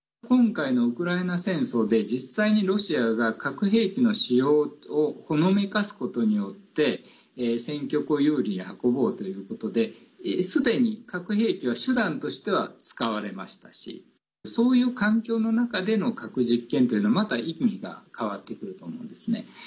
今回のウクライナ戦争で実際にロシアが核兵器の使用をほのめかすことによって戦局を有利に運ぼうということですでに核兵器は手段としては使われましたしそういう環境の中での核実験というのはまた意味が変わってくると思うんですね。